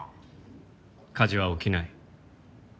火事は起きない。